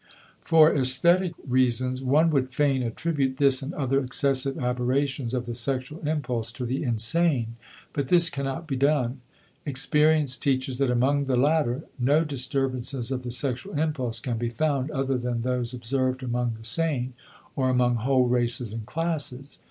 For esthetic reasons one would fain attribute this and other excessive aberrations of the sexual impulse to the insane, but this cannot be done. Experience teaches that among the latter no disturbances of the sexual impulse can be found other than those observed among the sane, or among whole races and classes.